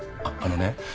あっあのね